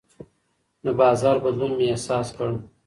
د بازار بدلون مې احساس کړ.